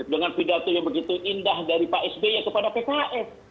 dengan pidato yang begitu indah dari pak sby kepada pks